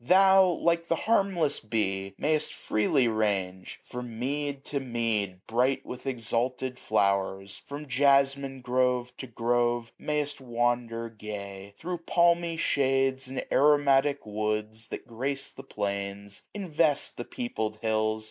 Thou, like the harmless bee, may'st freely range, . From mead to mead bright with exalted flowers ; 760 From jasmine grove to grove, may'st wander gay ; Thro' palmy shades and aromatic woods. That gra/:e the plains, invest the peopled hills.